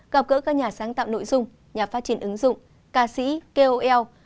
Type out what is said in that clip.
gặp gỡ các nhà sáng tạo nội dung nhà phát triển ứng dụng ca sĩ kol